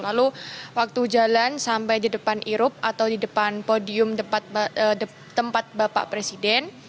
lalu waktu jalan sampai di depan irup atau di depan podium tempat bapak presiden